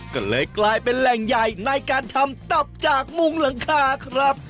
ก็เลยกลายเป็นแหล่งใหญ่ในการทำตับจากมุงหลังคาครับ